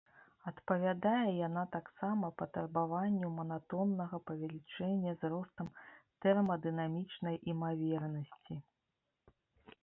Адпавядае яна таксама патрабаванню манатоннага павелічэння з ростам тэрмадынамічнай імавернасці.